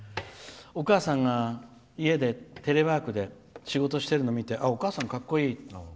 お母さんが、家でテレワークで仕事してるの見てお母さん、かっこいい。